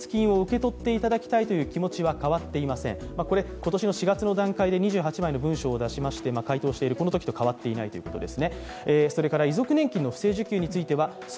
今年の４月の段階で２８枚の文書で回答している、このときと変わっていないということです。